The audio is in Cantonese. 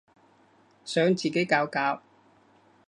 想自己搞搞